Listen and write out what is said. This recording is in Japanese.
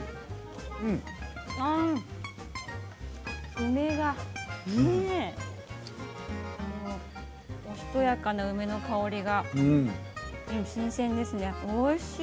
梅がおしとやかな梅の香りが新鮮ですね、おいしい。